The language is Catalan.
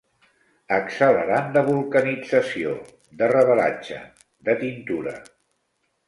Accelerant de vulcanització, de revelatge, de tintura.